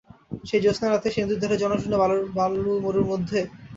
সেই জ্যোৎস্নারাত্রে, সেই নদীর ধারে, জনশূন্য বালুমরুর মধ্যে?